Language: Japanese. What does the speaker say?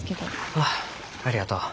あありがとう。